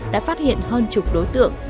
đã phát hiện hơn chục đối tượng